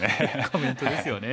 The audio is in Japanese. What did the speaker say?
コメントですよね。